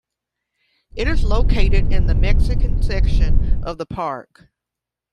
It is located in the Mexican section of the park.